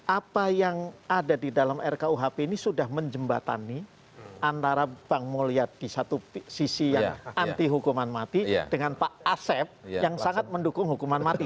apa yang ada di dalam rkuhp ini sudah menjembatani antara bang mulyad di satu sisi yang anti hukuman mati dengan pak asep yang sangat mendukung hukuman mati